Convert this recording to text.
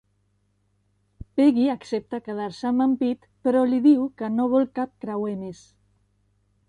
Peggy accepta quedar-se amb en Pete però li diu que no vol cap creuer més.